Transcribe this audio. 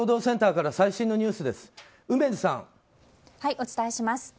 お伝えします。